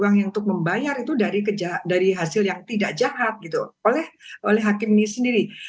uang yang untuk membayar itu dari hasil yang tidak jahat gitu oleh hakim ini sendiri